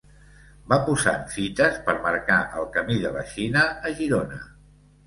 Va posant fites per marcar el camí de la Xina a Girona.